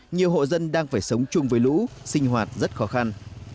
nhiều hộ dân đang phải sống chung với lũ sinh hoạt rất khó khăn